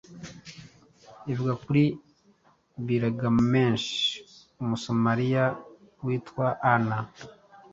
ivuga kuri Bilgamesh Umusumeriya witwa ana